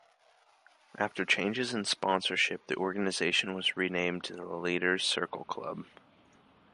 After changes in sponsorship, the organization was renamed the Leaders Circle Club.